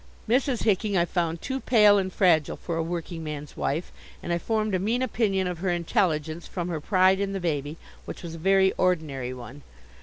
Mrs. Hicking I found too pale and fragile for a workingman's wife, and I formed a mean opinion of her intelligence from her pride in the baby, which was a very ordinary one.